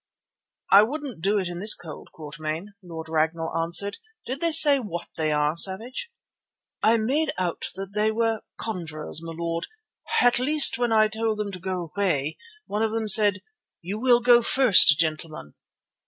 "I wouldn't do that in this cold, Quatermain," Lord Ragnall answered. "Did they say what they are, Savage?" "I made out that they were conjurers, my lord. At least when I told them to go away one of them said, 'You will go first, gentleman.